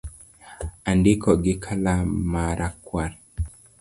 Andiko gi kalam ma rakwar